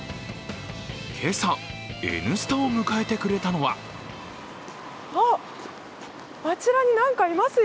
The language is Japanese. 今朝、「Ｎスタ」を迎えてくれたのはあっ、あちらに何かいますよ。